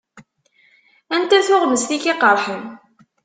Anta tuɣmest i k-iqeṛḥen?